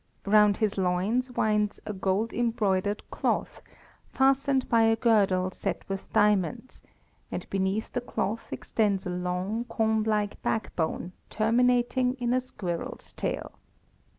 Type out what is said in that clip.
Round his loins winds a gold embroidered cloth, fastened by a girdle set with diamonds, and beneath the cloth extends a long, comb like backbone, terminating in a squirrel's tail.